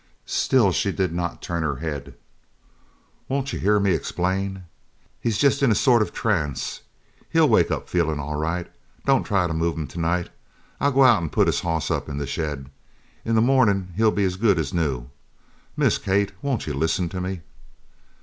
Still she did not turn her head. "Won't you hear me explain? He's jest in a sort of a trance. He'll wake up feelin' all right. Don't try to move him tonight. I'll go out an' put his hoss up in the shed. In the mornin' he'll be as good as new. Miss Kate, won't you listen to me?"